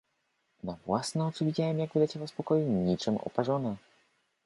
"Na własne oczy widziałem jak wyleciała z pokoju niczem oparzona."